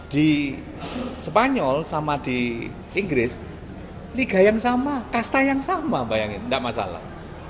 di spanyol sama di inggris liga yang sama kasta yang sama bayangin tidak masalah